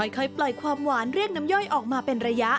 ค่อยปล่อยความหวานเรียกน้ำย่อยออกมาเป็นระยะ